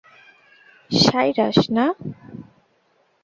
Cyrus, না!